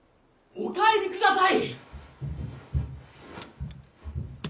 ・お帰りください！